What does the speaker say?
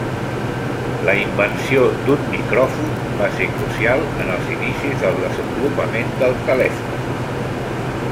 La invenció d'un micròfon va ser crucial en els inicis del desenvolupament del telèfon.